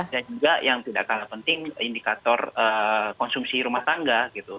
dan juga yang tidak kalah penting indikator konsumsi rumah tangga gitu